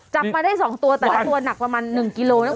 จับมาได้๒ตัวแต่ละตัวหนักประมาณ๑กิโลนะ